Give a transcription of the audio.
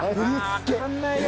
わかんないよな。